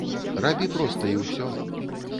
Рабі проста і ўсё.